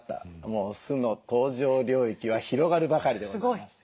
もう酢の登場領域は広がるばかりでございます。